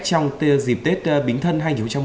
trong dịp tết bình thân hai nghìn một mươi sáu